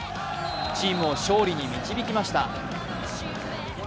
チームを勝利に導きました。